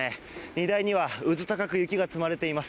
荷台には、うず高く雪が積まれています。